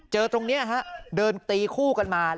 ตรงนี้ฮะเดินตีคู่กันมา